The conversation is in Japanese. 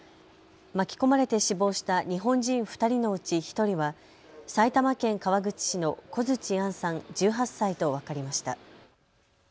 巻き込まれて死亡した日本人２人のうち１人は埼玉県川口市の小槌杏さん１８歳と分かりました。